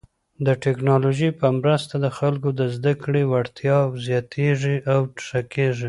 د ټکنالوژۍ په مرسته د خلکو د زده کړې وړتیاوې زیاتېږي او ښه کیږي.